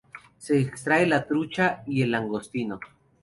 Se extrae la trucha y el langostino.